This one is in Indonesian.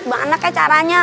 mana kek caranya